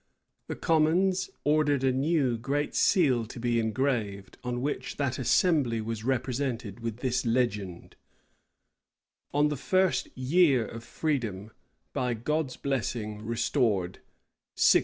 [*] The commons ordered a new great seal to be engraved, on which that assembly was represented, with this legend, "On the first year of freedom, by God's blessing, restored, 1648."